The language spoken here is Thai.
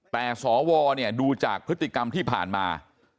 แต่สวดูจากพฤติกรรมที่ผ่านมา